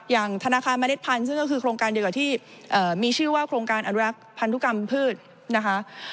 ธนาคารเมล็ดพันธุ์ซึ่งก็คือโครงการเดียวกับที่มีชื่อว่าโครงการอนุรักษ์พันธุกรรมพืชนะคะ